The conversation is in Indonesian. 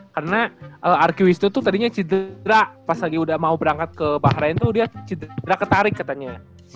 karena arkiwis itu tuh tadinya cedera pas lagi udah mau berangkat ke bahrain tuh dia cedera ketarik katanya